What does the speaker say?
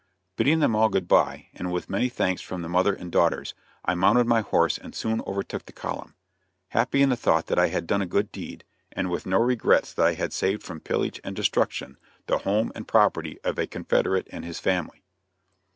Bidding them all good bye, and with many thanks from the mother and daughters, I mounted my horse and soon overtook the column, happy in the thought that I had done a good deed, and with no regrets that I had saved from pillage and destruction the home and property of a confederate and his family.